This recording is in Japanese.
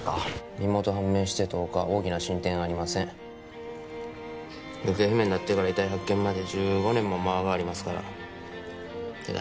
身元判明して１０日大きな進展ありません行方不明になってから遺体発見まで１５年も間がありますからてか